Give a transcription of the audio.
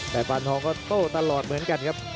แต่ปานทองก็โต้ตลอดเหมือนกันครับ